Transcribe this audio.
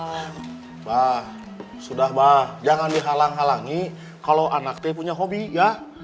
mbak sudah mbak jangan dihalang halangi kalau anaknya punya hobi ya